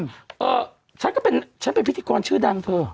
เออฉันก็เป็นฉันเป็นพิธีกรชื่อดังเธอ